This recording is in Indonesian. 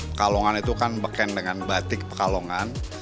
pekalongan itu kan beken dengan batik pekalongan